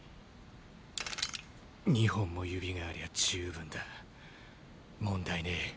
２本も指がありゃ十分だ問題ねぇ。